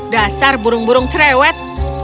dasar burung burung cerewet